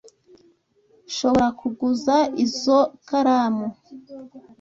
Nshobora kuguza izoi karamu?